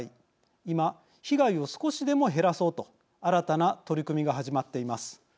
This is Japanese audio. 今、被害を少しでも減らそうと新たな取り組みが始まっています。